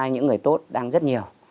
những người tốt đang rất nhiều